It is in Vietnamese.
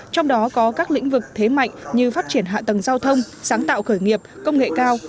trong đó có các lĩnh vực thế mạnh như phát triển hạ tầng giao thông sáng tạo khởi nghiệp công nghệ cao